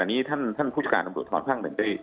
ดังนี้เจ้ากลุ่มยุความแผ่งพรวจท้อนภาค๑